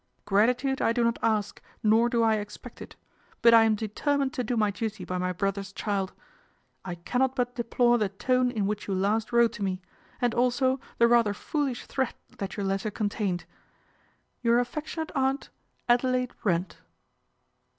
"Gratitude I do not ask, nor do I expect it; but I am determined to do my duty by my brother's child. I cannot but deplore the tone in which you last wrote to me, and also the rather foolish threat that your letter contained. 'Your affectionate aunt, "ADELAIDE BRENT.